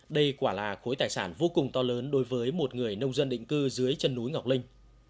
đây quả là khối tài sản vô cùng to lớn đối với một người nông dân định cư dưới chân núi ngọc linh